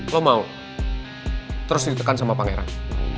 lo mau terus ditekan sama pak heran